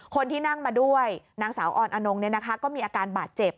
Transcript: คนที่นั่งมาด้วยนางสาวออนอนงก็มีอาการบาดเจ็บ